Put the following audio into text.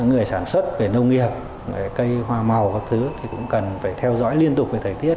người sản xuất về nông nghiệp cây hoa màu các thứ thì cũng cần phải theo dõi liên tục về thời tiết